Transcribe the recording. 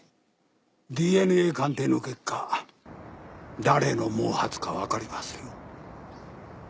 ＤＮＡ鑑定の結果誰の毛髪か分かりますよ？